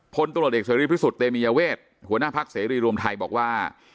พลตลอดเอกเสรียรีย์พฤษฎเตมียเวชหัวหน้าพักเสรียรีย์รวมไทยบอกว่า